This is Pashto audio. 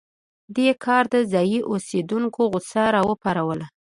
دې کار د ځايي اوسېدونکو غوسه راوپاروله.